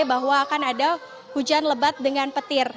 bahwa akan ada hujan lebat dengan petir